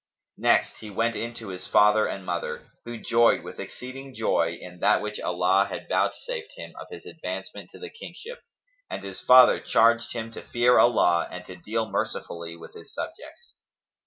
Next he went in to his father and mother, who joyed with exceeding joy in that which Allah had vouchsafed him of his advancement to the kingship, and his father charged him to fear Allah and to deal mercifully with his subjects.